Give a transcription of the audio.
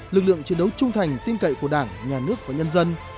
lực lượng chiến đấu trung thành tin cậy của đảng nhà nước và nhân dân